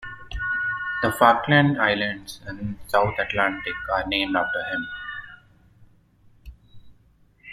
The Falkland Islands in the south Atlantic are named after him.